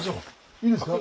いいんですか？